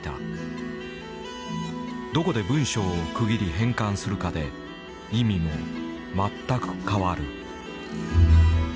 どこで文章を区切り変換するかで意味も全く変わる。